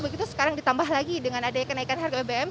begitu sekarang ditambah lagi dengan adanya kenaikan harga bbm